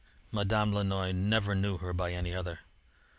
Madame Lannoy never knew her by any other.